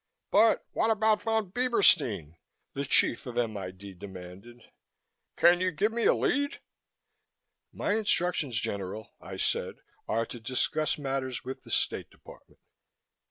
"But what about Von Bieberstein?" the chief of M.I.D. demanded. "Can you give me a lead?" "My instructions, General," I said, "are to discuss matters with the State Department."